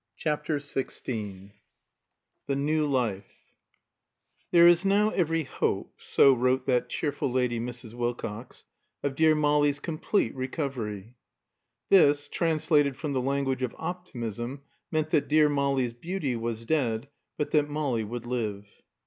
CHAPTER XVI THE NEW LIFE "There is now every hope," so wrote that cheerful lady, Mrs. Wilcox, "of dear Molly's complete recovery." This, translated from the language of optimism, meant that dear Molly's beauty was dead, but that Molly would live.